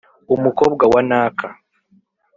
Umukobwa wa Naka